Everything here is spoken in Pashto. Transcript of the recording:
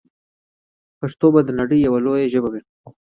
پښتو به د نړۍ یوه لویه ژبه وي.